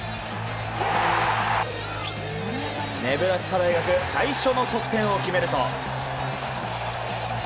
ネブラスカ大学最初の得点を決めると。